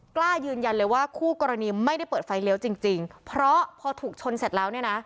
กล้ายืนยันเลยว่าคู่กรณีไม่ได้เปิดไฟเลี้ยวจริงจริงเพราะพอถูกชนเสร็จแล้วเนี่ยนะ